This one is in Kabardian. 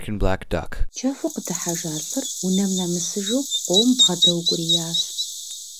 Чэфу къыдыхьэжа лӏыр унэм нэмысыжу пкъом бгъэдэкӏуриящ.